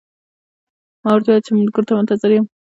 ما ورته وویل چې ملګرو ته منتظر یم.